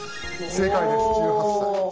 正解です１８歳。